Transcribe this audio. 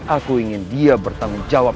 aku ingin dia bertanggung jawab